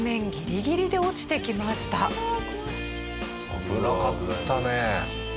危なかったね。